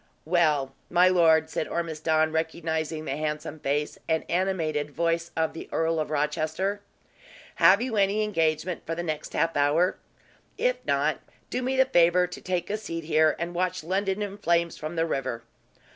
"Well, my lord," said Ormiston, recognizing the handsome face and animated voice of the Earl of Rochester. "Have you any engagement for the next half hour? If not, do me the favor to take a seat here, and watch London in flames from the river."